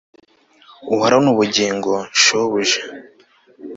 uhorane ubugingo, shobuja